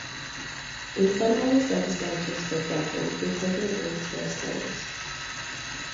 In some other cervice branches, for example, the equivalent ranks were as follows.